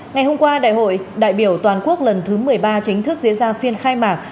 ngày hôm qua đại hội đại biểu toàn quốc lần thứ một mươi ba chính thức diễn ra phiên khai mạc